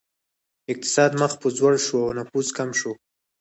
اقتصاد مخ په ځوړ شو او نفوس کم شو.